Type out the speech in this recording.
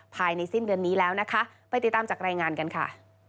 ภายในสิ้นเดือนนี้แล้วนะคะไปติดตามจากรายงานกันค่ะ